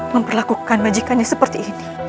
memperlakukan majikannya seperti ini